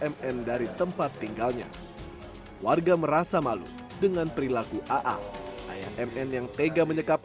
mn dari tempat tinggalnya warga merasa malu dengan perilaku aa ayah mn yang tega menyekap